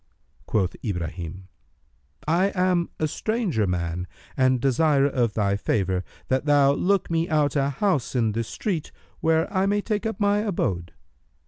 Quoth Ibrahim, "I am a stranger man and desire of thy favour that thou look me out a house in this street where I may take up my abode."